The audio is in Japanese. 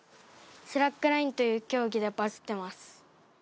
スラックラインという競技でバズってます。